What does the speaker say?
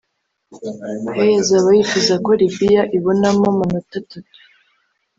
Hey azaba yifuza ko Libya ibonamo amanota atatu